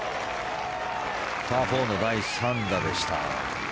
パー４の第３打でした。